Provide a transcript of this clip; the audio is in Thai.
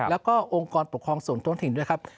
แล้วก็องค์กรปกครองส่วนท้องถิ่นด้วยครับ